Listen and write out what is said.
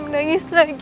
ibu bunda disini nak